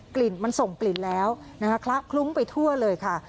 กลิ่นมันส่งกลิ่นแล้วนะคะคละคลุ้งไปทั่วเลยค่ะ